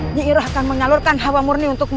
nyirah akan menyalurkan hawa murni untukmu